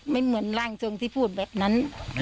ไม่เหมือนร่างทรงที่พูดแบบนั้น